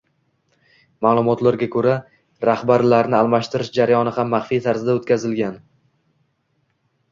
Maʼlumotlarga koʻra, rahbarlarni almashtirish jarayoni ham maxfiy tarzda oʻtkazilgan.